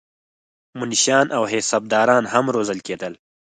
منشیان او حسابداران هم روزل کېدل.